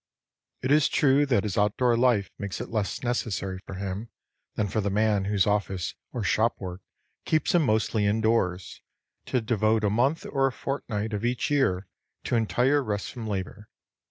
It is true that his outdoor life makes it less necessary for him than for the man whose office or shop work keeps him mostly indoors, to devote a month or a fortnight of each year to entire rest from labor.